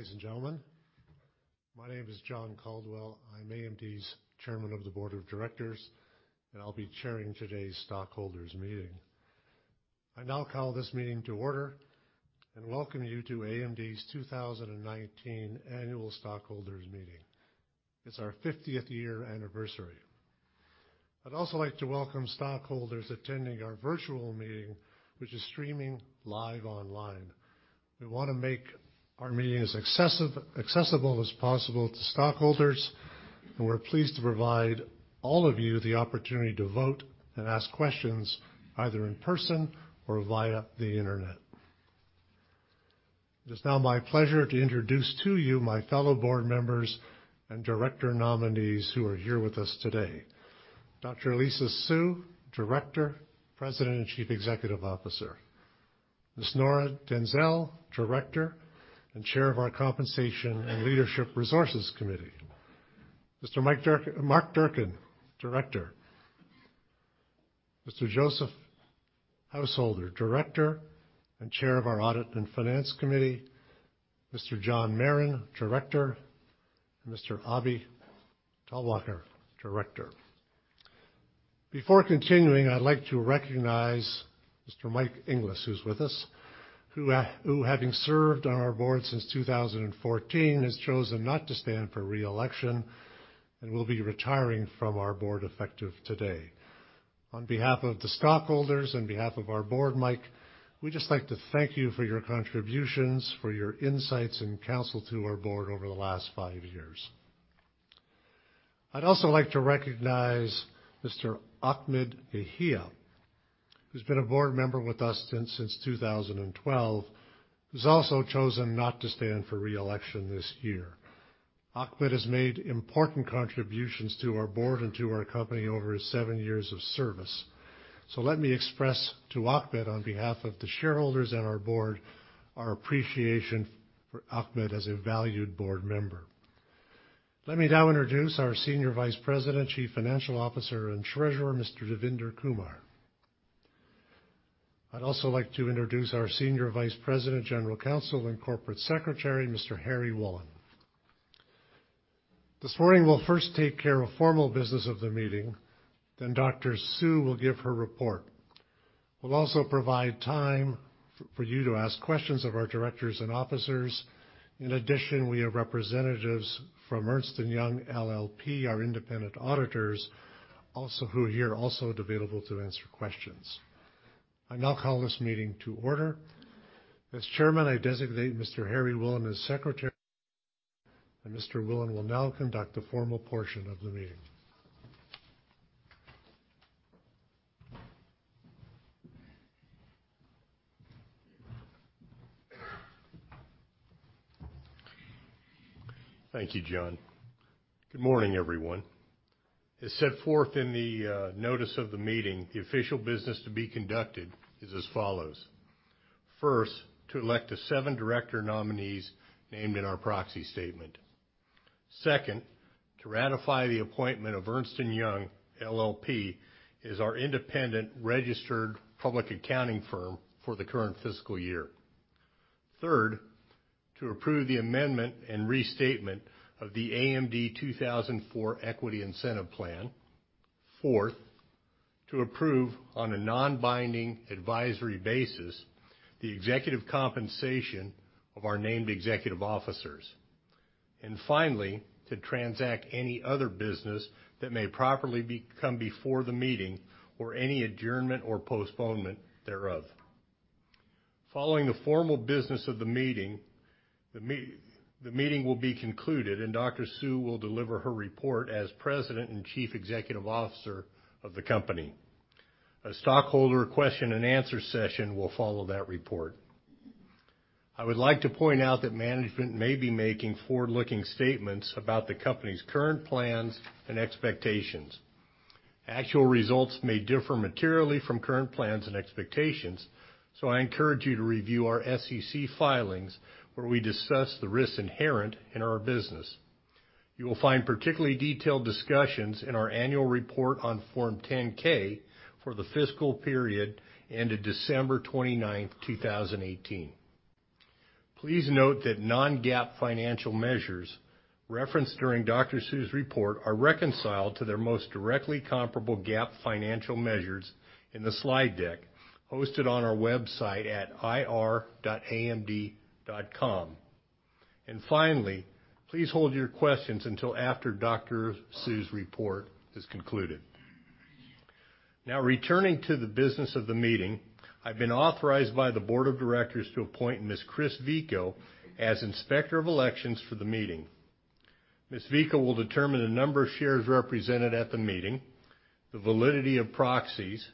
Good morning, ladies and gentlemen. My name is John Caldwell. I'm AMD's Chairman of the Board of Directors, and I'll be chairing today's stockholders meeting. I now call this meeting to order and welcome you to AMD's 2019 annual stockholders meeting. It's our 50th year anniversary. I'd also like to welcome stockholders attending our virtual meeting, which is streaming live online. We want to make our meeting as accessible as possible to stockholders, and we're pleased to provide all of you the opportunity to vote and ask questions, either in person or via the internet. It is now my pleasure to introduce to you my fellow board members and director nominees who are here with us today. Dr. Lisa Su, Director, President, and Chief Executive Officer. Ms. Nora Denzel, Director and Chair of our Compensation and Leadership Resources Committee. Mr. Mark Durcan, Director. Mr. Joseph Householder, Director and Chair of our Audit and Finance Committee. Mr. John Marren, Director, and Mr. Abhi Talwalkar, Director. Before continuing, I'd like to recognize Mr. Mike Inglis, who's with us, who, having served on our board since 2014, has chosen not to stand for re-election and will be retiring from our board effective today. On behalf of the stockholders, on behalf of our board, Mike, we'd just like to thank you for your contributions, for your insights and counsel to our board over the last five years. I'd also like to recognize Mr. Ahmed Yahia, who's been a board member with us since 2012, who's also chosen not to stand for re-election this year. Ahmed has made important contributions to our board and to our company over his seven years of service. Let me express to Ahmed, on behalf of the shareholders and our board, our appreciation for Ahmed as a valued board member. Let me now introduce our Senior Vice President, Chief Financial Officer, and Treasurer, Mr. Devinder Kumar. I'd also like to introduce our Senior Vice President, General Counsel and Corporate Secretary, Mr. Harry Wolin. This morning, we'll first take care of formal business of the meeting. Dr. Su will give her report. We'll also provide time for you to ask questions of our directors and officers. In addition, we have representatives from Ernst & Young LLP, our independent auditors, also who are here, also available to answer questions. I now call this meeting to order. As chairman, I designate Mr. Harry Wolin as Secretary, Mr. Wolin will now conduct the formal portion of the meeting. Thank you, John. Good morning, everyone. As set forth in the notice of the meeting, the official business to be conducted is as follows. First, to elect the seven director nominees named in our proxy statement. Second, to ratify the appointment of Ernst & Young LLP as our independent registered public accounting firm for the current fiscal year. Third, to approve the amendment and restatement of the AMD 2004 Equity Incentive Plan. Fourth, to approve on a non-binding advisory basis the executive compensation of our named executive officers. Finally, to transact any other business that may properly come before the meeting or any adjournment or postponement thereof. Following the formal business of the meeting, the meeting will be concluded, and Dr. Su will deliver her report as President and Chief Executive Officer of the company. A stockholder question and answer session will follow that report. I would like to point out that management may be making forward-looking statements about the company's current plans and expectations. Actual results may differ materially from current plans and expectations, I encourage you to review our SEC filings where we discuss the risks inherent in our business. You will find particularly detailed discussions in our annual report on Form 10-K for the fiscal period ended December 29th, 2018. Please note that non-GAAP financial measures referenced during Dr. Su's report are reconciled to their most directly comparable GAAP financial measures in the slide deck hosted on our website at ir.amd.com. Finally, please hold your questions until after Dr. Su's report is concluded. Returning to the business of the meeting, I've been authorized by the board of directors to appoint Ms. Chris Vico as Inspector of Elections for the meeting. Ms. Vico will determine the number of shares represented at the meeting, the validity of proxies,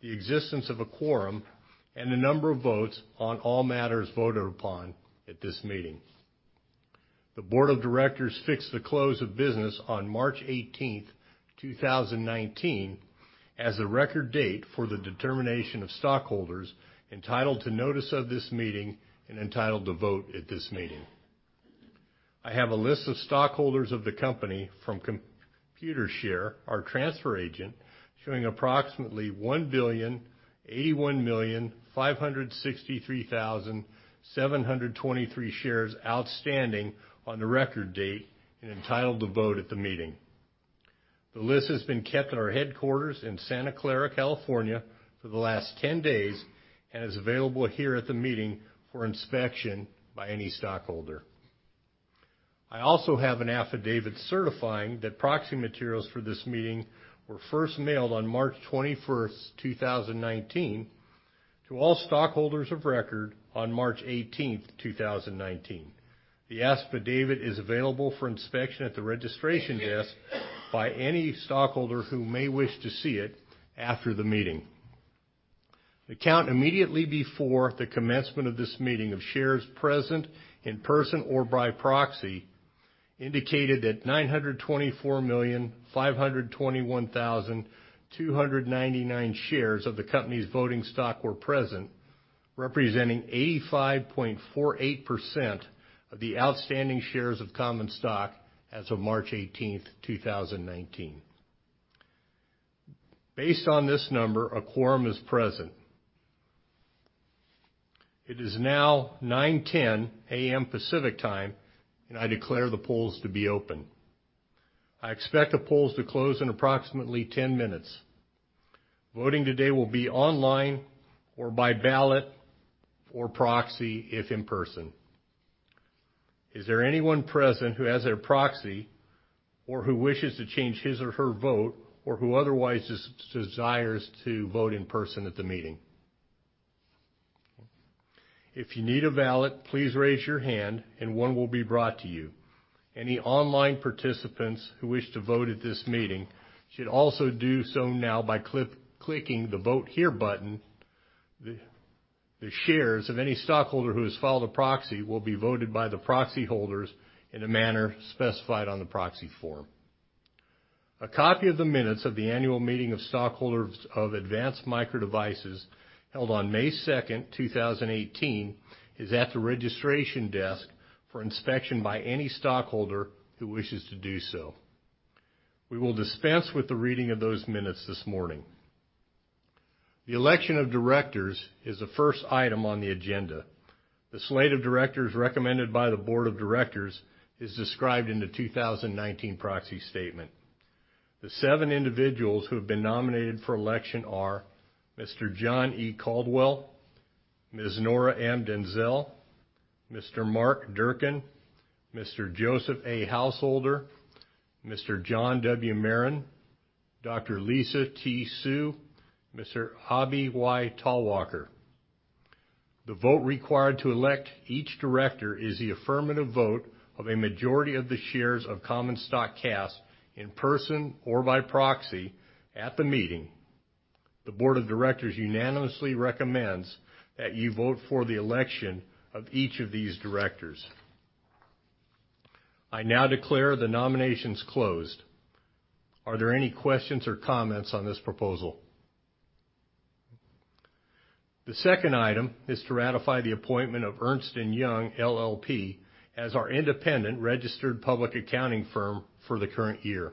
the existence of a quorum, and the number of votes on all matters voted upon at this meeting. The board of directors fixed the close of business on March 18th, 2019, as the record date for the determination of stockholders entitled to notice of this meeting and entitled to vote at this meeting. I have a list of stockholders of the company from Computershare, our transfer agent, showing approximately 1,081,563,723 shares outstanding on the record date and entitled to vote at the meeting. The list has been kept at our headquarters in Santa Clara, California, for the last 10 days and is available here at the meeting for inspection by any stockholder. I also have an affidavit certifying that proxy materials for this meeting were first mailed on March 21st, 2019, to all stockholders of record on March 18th, 2019. The affidavit is available for inspection at the registration desk by any stockholder who may wish to see it after the meeting. The count immediately before the commencement of this meeting of shares present in person or by proxy indicated that 924,521,299 shares of the company's voting stock were present, representing 85.48% of the outstanding shares of common stock as of March 18th, 2019. Based on this number, a quorum is present. It is now 9:10 A.M. Pacific Time, I declare the polls to be open. I expect the polls to close in approximately 10 minutes. Voting today will be online or by ballot or proxy if in person. Is there anyone present who has their proxy or who wishes to change his or her vote, or who otherwise desires to vote in person at the meeting? Okay. If you need a ballot, please raise your hand, one will be brought to you. Any online participants who wish to vote at this meeting should also do so now by clicking the Vote Here button. The shares of any stockholder who has filed a proxy will be voted by the proxy holders in a manner specified on the proxy form. A copy of the minutes of the annual meeting of stockholders of Advanced Micro Devices held on May 2nd, 2018, is at the registration desk for inspection by any stockholder who wishes to do so. We will dispense with the reading of those minutes this morning. The election of directors is the first item on the agenda. The slate of directors recommended by the board of directors is described in the 2019 proxy statement. The seven individuals who have been nominated for election are Mr. John E. Caldwell, Ms. Nora M. Denzel, Mr. Mark Durcan, Mr. Joseph A. Householder, Mr. John W. Marren, Dr. Lisa T. Su, Mr. Abhi Y. Talwalkar. The vote required to elect each director is the affirmative vote of a majority of the shares of common stock cast in person or by proxy at the meeting. The board of directors unanimously recommends that you vote for the election of each of these directors. I now declare the nominations closed. Are there any questions or comments on this proposal? The second item is to ratify the appointment of Ernst & Young LLP as our independent registered public accounting firm for the current year.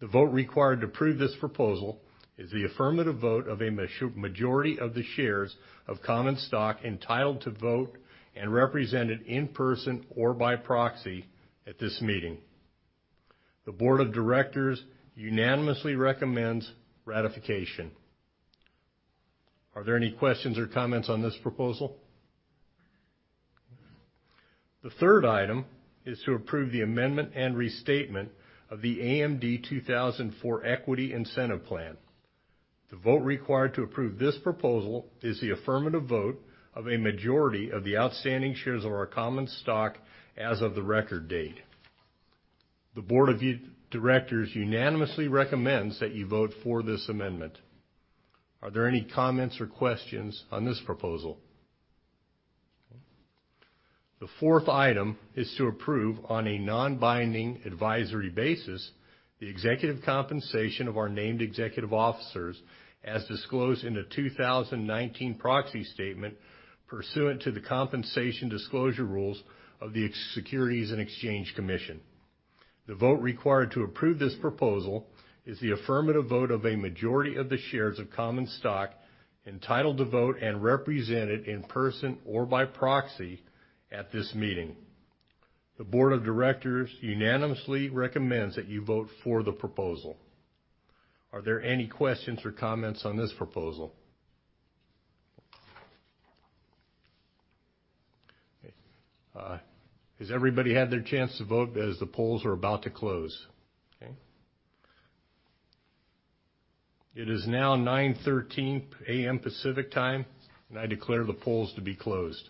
The vote required to approve this proposal is the affirmative vote of a majority of the shares of common stock entitled to vote and represented in person or by proxy at this meeting. The board of directors unanimously recommends ratification. Are there any questions or comments on this proposal? The third item is to approve the amendment and restatement of the AMD 2004 Equity Incentive Plan. The vote required to approve this proposal is the affirmative vote of a majority of the outstanding shares of our common stock as of the record date. The board of directors unanimously recommends that you vote for this amendment. Are there any comments or questions on this proposal? Okay. The fourth item is to approve on a non-binding advisory basis the executive compensation of our named executive officers as disclosed in the 2019 proxy statement pursuant to the compensation disclosure rules of the Securities and Exchange Commission. The vote required to approve this proposal is the affirmative vote of a majority of the shares of common stock entitled to vote and represented in person or by proxy at this meeting. The board of directors unanimously recommends that you vote for the proposal. Are there any questions or comments on this proposal? Okay. Has everybody had their chance to vote as the polls are about to close? Okay. It is now 9:13 A.M. Pacific Time. I declare the polls to be closed.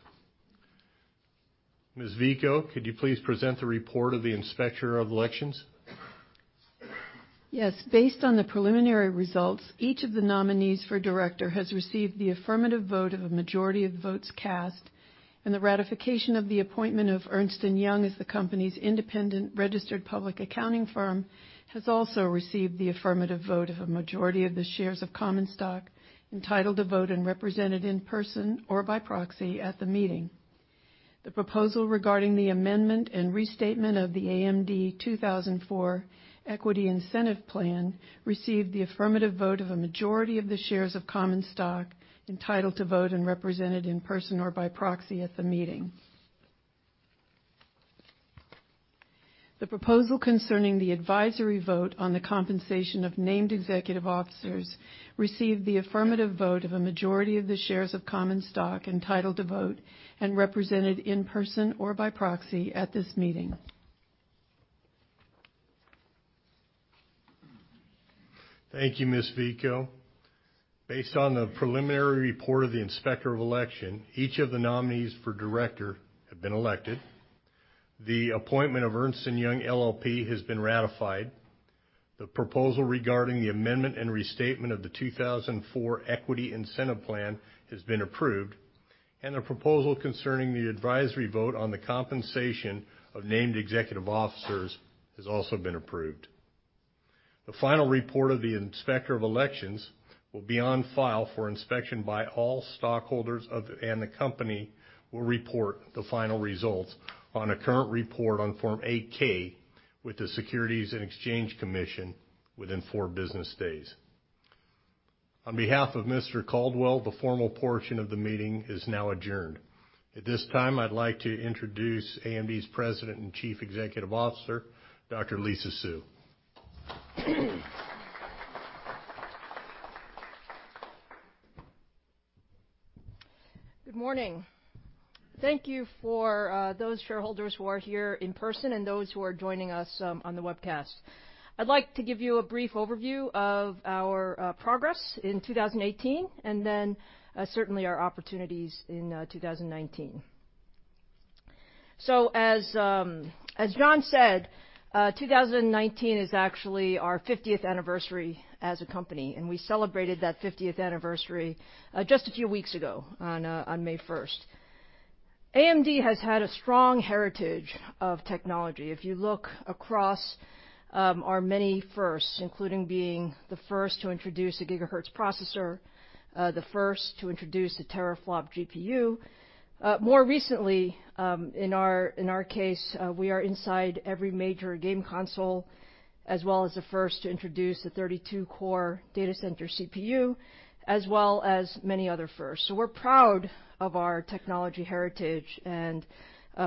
Ms. Vico, could you please present the report of the Inspector of Elections? Yes. Based on the preliminary results, each of the nominees for director has received the affirmative vote of a majority of votes cast. The ratification of the appointment of Ernst & Young as the company's independent registered public accounting firm has also received the affirmative vote of a majority of the shares of common stock entitled to vote and represented in person or by proxy at the meeting. The proposal regarding the amendment and restatement of the AMD 2004 Equity Incentive Plan received the affirmative vote of a majority of the shares of common stock entitled to vote and represented in person or by proxy at the meeting. The proposal concerning the advisory vote on the compensation of named executive officers received the affirmative vote of a majority of the shares of common stock entitled to vote and represented in person or by proxy at this meeting. Thank you, Ms. Vico. Based on the preliminary report of the Inspector of Elections, each of the nominees for director have been elected. The appointment of Ernst & Young LLP has been ratified. The proposal regarding the amendment and restatement of the AMD 2004 Equity Incentive Plan has been approved. The proposal concerning the advisory vote on the compensation of named executive officers has also been approved. The final report of the Inspector of Elections will be on file for inspection by all stockholders. The company will report the final results on a current report on Form 8-K with the Securities and Exchange Commission within 4 business days. On behalf of Mr. Caldwell, the formal portion of the meeting is now adjourned. At this time, I'd like to introduce AMD's President and Chief Executive Officer, Dr. Lisa Su. Good morning. Thank you for those shareholders who are here in person and those who are joining us on the webcast. I'd like to give you a brief overview of our progress in 2018 and then certainly our opportunities in 2019. As John said, 2019 is actually our 50th anniversary as a company. We celebrated that 50th anniversary just a few weeks ago on May 1st. AMD has had a strong heritage of technology. If you look across our many firsts, including being the first to introduce a gigahertz processor, the first to introduce a teraflop GPU. More recently, in our case, we are inside every major game console, as well as the first to introduce a 32-core data center CPU, as well as many other firsts. We're proud of our technology heritage.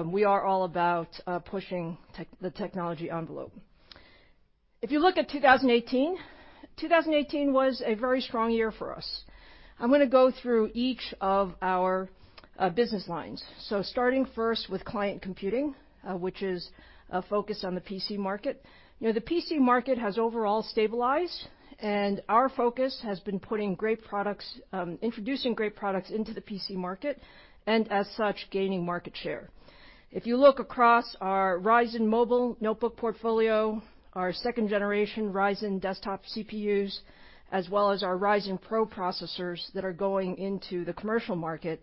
We are all about pushing the technology envelope. If you look at 2018 was a very strong year for us. I'm going to go through each of our business lines. Starting first with client computing, which is a focus on the PC market. The PC market has overall stabilized. Our focus has been introducing great products into the PC market, and as such, gaining market share. If you look across our Ryzen mobile notebook portfolio, our second-generation Ryzen desktop CPUs, as well as our Ryzen PRO processors that are going into the commercial market,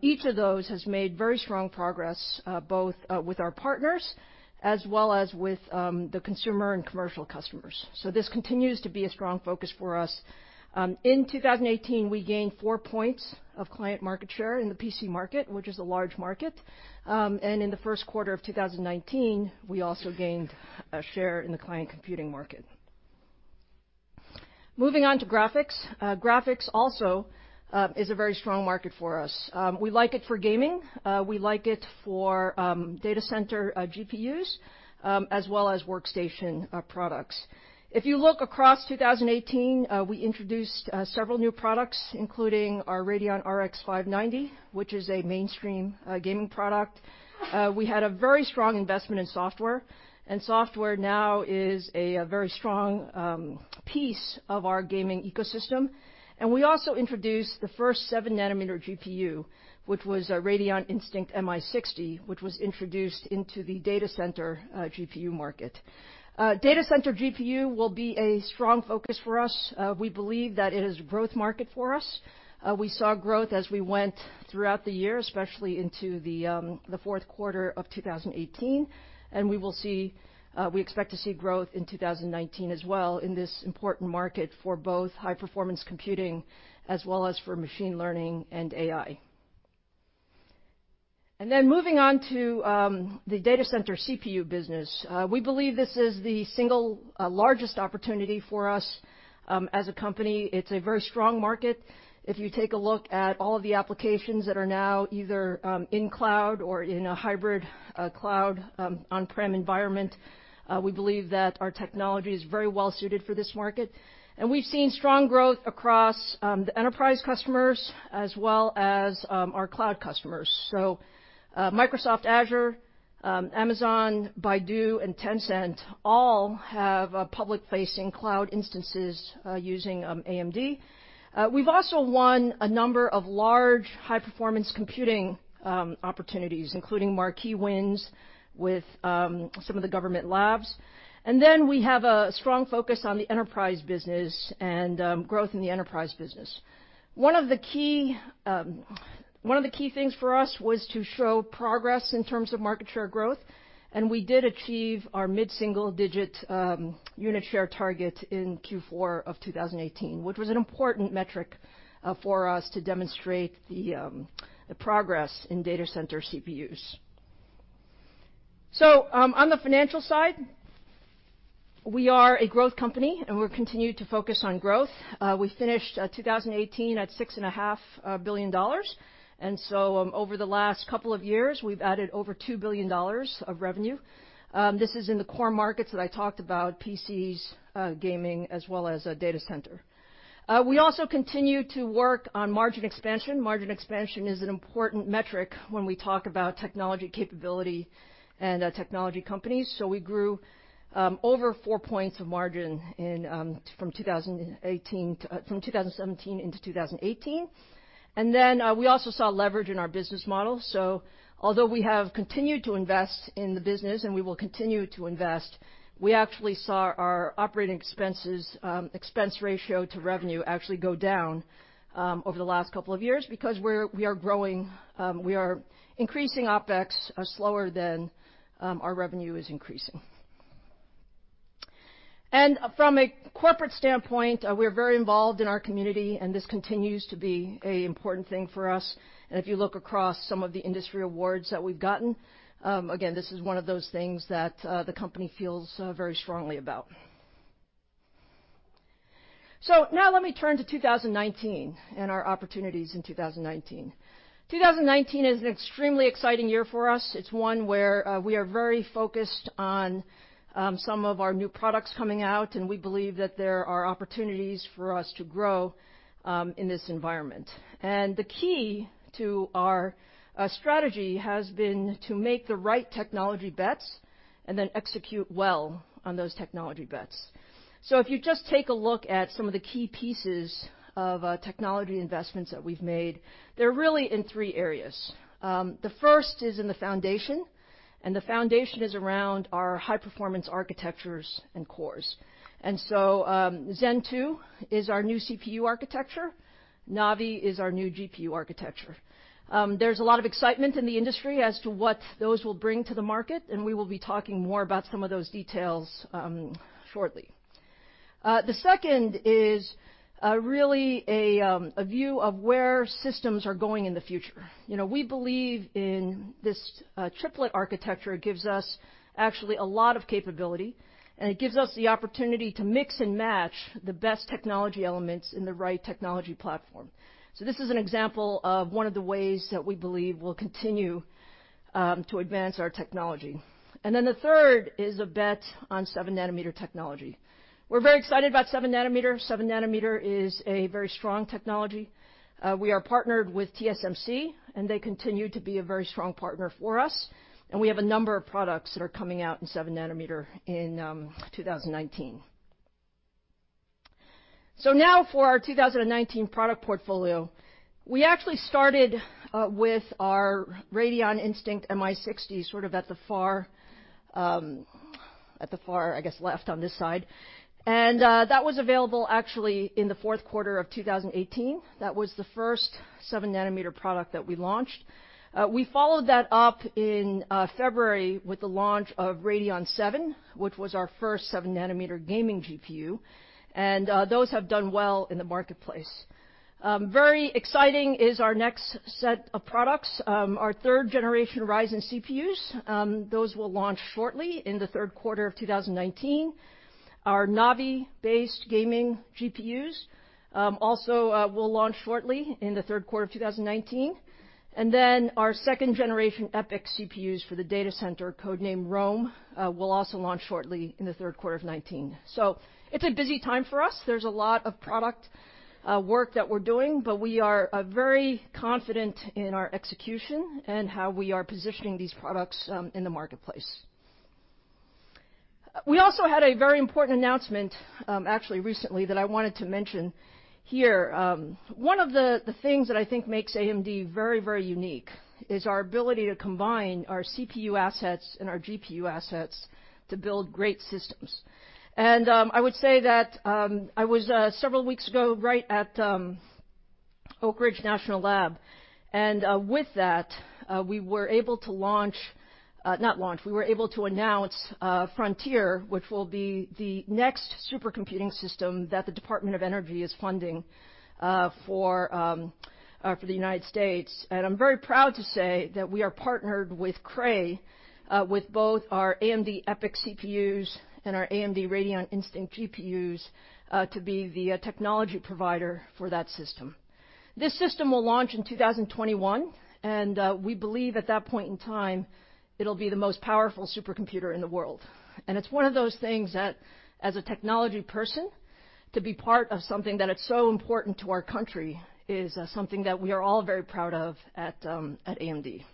each of those has made very strong progress, both with our partners as well as with the consumer and commercial customers. This continues to be a strong focus for us. In 2018, we gained 4 points of client market share in the PC market, which is a large market. In the first quarter of 2019, we also gained a share in the client computing market. Moving on to graphics. Graphics also is a very strong market for us. We like it for gaming, we like it for data center GPUs, as well as workstation products. If you look across 2018, we introduced several new products, including our Radeon RX 590, which is a mainstream gaming product. We had a very strong investment in software. Software now is a very strong piece of our gaming ecosystem. We also introduced the first 7nm GPU, which was a Radeon Instinct MI60, which was introduced into the data center GPU market. Data center GPU will be a strong focus for us. We believe that it is a growth market for us. We saw growth as we went throughout the year, especially into the fourth quarter of 2018, and we expect to see growth in 2019 as well in this important market for both high-performance computing as well as for machine learning and AI. Moving on to the data center CPU business. We believe this is the single largest opportunity for us as a company. It's a very strong market. If you take a look at all of the applications that are now either in cloud or in a hybrid cloud on-prem environment, we believe that our technology is very well-suited for this market. We've seen strong growth across the enterprise customers as well as our cloud customers. Microsoft Azure, Amazon, Baidu, and Tencent all have public-facing cloud instances using AMD. We've also won a number of large high-performance computing opportunities, including marquee wins with some of the government labs. We have a strong focus on the enterprise business and growth in the enterprise business. One of the key things for us was to show progress in terms of market share growth, and we did achieve our mid-single-digit unit share target in Q4 of 2018, which was an important metric for us to demonstrate the progress in data center CPUs. So, on the financial side, we are a growth company, and we'll continue to focus on growth. We finished 2018 at $6.5 billion. Over the last couple of years, we've added over $2 billion of revenue. This is in the core markets that I talked about, PCs, gaming, as well as data center. We also continue to work on margin expansion. Margin expansion is an important metric when we talk about technology capability and technology companies. We grew over four points of margin from 2017 into 2018. We also saw leverage in our business model. Although we have continued to invest in the business, and we will continue to invest, we actually saw our operating expenses, expense ratio to revenue, actually go down over the last couple of years because we are growing. We are increasing OpEx slower than our revenue is increasing. From a corporate standpoint, we're very involved in our community, and this continues to be a important thing for us. If you look across some of the industry awards that we've gotten, again, this is one of those things that the company feels very strongly about. Now let me turn to 2019 and our opportunities in 2019. 2019 is an extremely exciting year for us. It's one where we are very focused on some of our new products coming out, and we believe that there are opportunities for us to grow in this environment. The key to our strategy has been to make the right technology bets and then execute well on those technology bets. If you just take a look at some of the key pieces of technology investments that we've made, they're really in three areas. The first is in the foundation, and the foundation is around our high-performance architectures and cores. Zen 2 is our new CPU architecture. Navi is our new GPU architecture. There's a lot of excitement in the industry as to what those will bring to the market, and we will be talking more about some of those details shortly. The second is really a view of where systems are going in the future. We believe in this chiplet architecture. It gives us actually a lot of capability, and it gives us the opportunity to mix and match the best technology elements in the right technology platform. This is an example of one of the ways that we believe will continue to advance our technology. The third is a bet on 7nm technology. We are very excited about 7nm. 7nm is a very strong technology. We are partnered with TSMC, and they continue to be a very strong partner for us, and we have a number of products that are coming out in 7nm in 2019. Now for our 2019 product portfolio, we actually started with our Radeon Instinct MI60 sort of at the far left on this side. That was available actually in the fourth quarter of 2018. That was the first 7nm product that we launched. We followed that up in February with the launch of Radeon VII, which was our first 7nm gaming GPU, and those have done well in the marketplace. Very exciting is our next set of products, our third generation Ryzen CPUs. Those will launch shortly in the third quarter of 2019. Our Navi-based gaming GPUs also will launch shortly in the third quarter of 2019. Our second generation EPYC CPUs for the data center, code name Rome, will also launch shortly in the third quarter of 2019. It's a busy time for us. There's a lot of product work that we're doing, but we are very confident in our execution and how we are positioning these products in the marketplace. We also had a very important announcement actually recently that I wanted to mention here. One of the things that I think makes AMD very, very unique is our ability to combine our CPU assets and our GPU assets to build great systems. I would say that I was, several weeks ago, right at Oak Ridge National Lab. With that, we were able to announce Frontier, which will be the next supercomputing system that the Department of Energy is funding for the U.S. I'm very proud to say that we are partnered with Cray with both our AMD EPYC CPUs and our AMD Radeon Instinct GPUs to be the technology provider for that system. This system will launch in 2021, and we believe at that point in time, it'll be the most powerful supercomputer in the world. It's one of those things that, as a technology person, to be part of something that is so important to our country is something that we are all very proud of at AMD.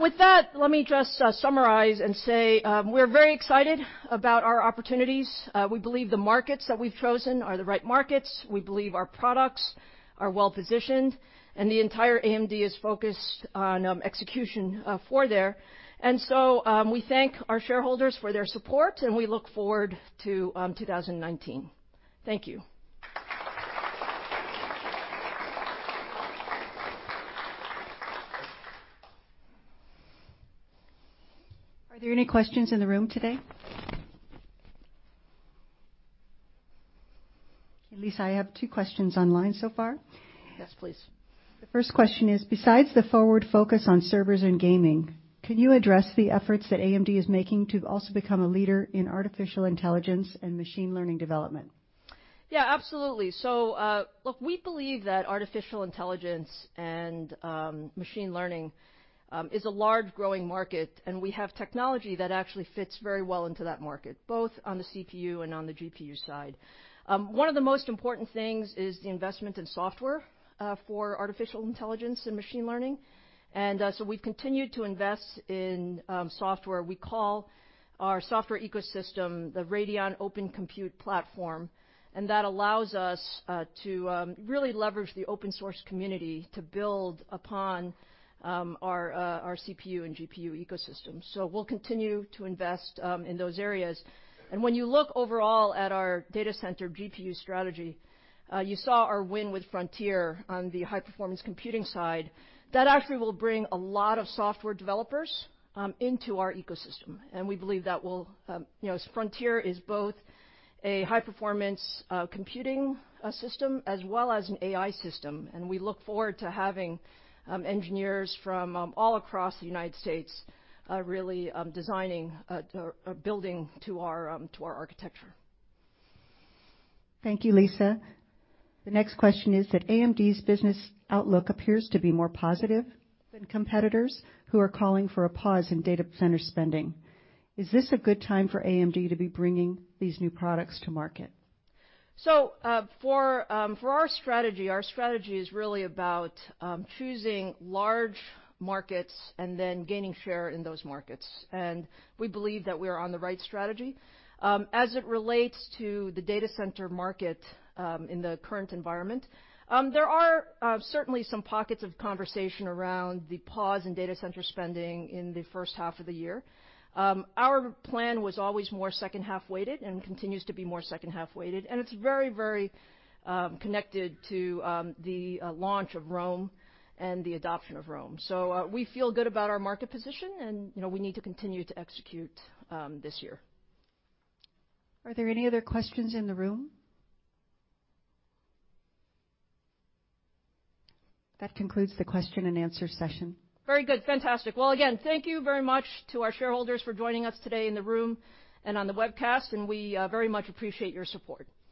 With that, let me just summarize and say we're very excited about our opportunities. We believe the markets that we've chosen are the right markets. We believe our products are well-positioned, and the entire AMD is focused on execution for there. We thank our shareholders for their support, and we look forward to 2019. Thank you. Are there any questions in the room today? Lisa, I have two questions online so far. Yes, please. The first question is, besides the forward focus on servers and gaming, can you address the efforts that AMD is making to also become a leader in artificial intelligence and machine learning development? Absolutely. Look, we believe that artificial intelligence and machine learning is a large growing market, and we have technology that actually fits very well into that market, both on the CPU and on the GPU side. One of the most important things is the investment in software for artificial intelligence and machine learning. We've continued to invest in software. We call our software ecosystem the Radeon Open Compute platform, and that allows us to really leverage the open source community to build upon our CPU and GPU ecosystem. We'll continue to invest in those areas. When you look overall at our data center GPU strategy, you saw our win with Frontier on the high-performance computing side. That actually will bring a lot of software developers into our ecosystem, and we believe Frontier is both a high-performance computing system as well as an AI system, and we look forward to having engineers from all across the U.S. really designing or building to our architecture. Thank you, Lisa. The next question is that AMD's business outlook appears to be more positive than competitors, who are calling for a pause in data center spending. Is this a good time for AMD to be bringing these new products to market? For our strategy, our strategy is really about choosing large markets then gaining share in those markets. We believe that we are on the right strategy. As it relates to the data center market in the current environment, there are certainly some pockets of conversation around the pause in data center spending in the first half of the year. Our plan was always more second-half weighted and continues to be more second-half weighted, and it's very connected to the launch of Rome and the adoption of Rome. We feel good about our market position and we need to continue to execute this year. Are there any other questions in the room? That concludes the question and answer session. Very good. Fantastic. Well, again, thank you very much to our shareholders for joining us today in the room and on the webcast, and we very much appreciate your support.